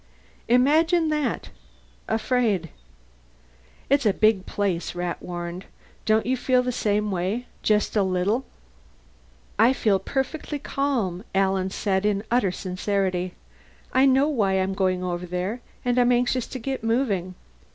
"Imagine that. Afraid!" "It's a big place," Rat warned. "Don't you feel the same way? Just a little?" "I feel perfectly calm," Alan said in utter sincerity. "I know why I'm going over there, and I'm anxious to get moving.